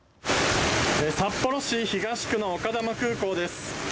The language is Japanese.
札幌市東区の丘珠空港です。